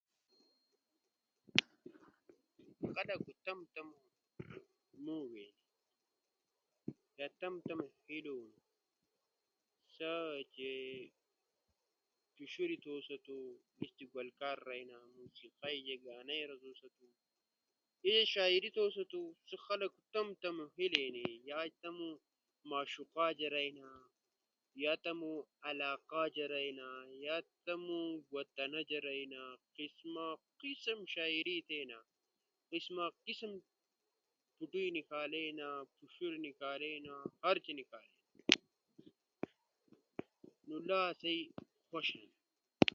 خلغو تمو تمو موڙے دا تمو تمو ہیلو ہنی سا چی پوشورے تھؤ ستو، گل کا رئینا، موسیقئی جے گانائی رزوستونو کے شاعری تھؤستو سا خلقو تمو تمو ہیلے اینی یا تمو معشوقا جے رئینا، یا تمو علاقہ جے رائینا، یا تمو وطنا جے رائینا، قسماقسم شاعری تھینا۔ قسماقسم فوٹئی نیکالینا، پوشور نیکالینا، ہر جے نیکالینا، نو لا آسئی خوش ہنو۔